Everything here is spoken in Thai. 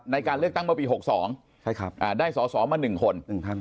ในการเลือกตั้งเมื่อปี๖๒ได้สอสอมา๑คน